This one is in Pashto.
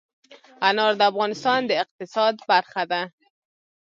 انار د افغانستان د اقتصاد برخه ده.